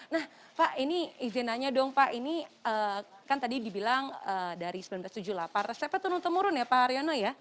nah pak ini izin nanya dong pak ini kan tadi dibilang dari seribu sembilan ratus tujuh puluh delapan resepnya turun temurun ya pak haryono ya